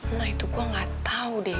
emang itu gua ga tau deh